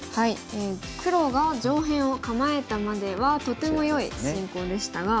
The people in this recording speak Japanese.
黒が上辺を構えたまではとてもよい進行でしたが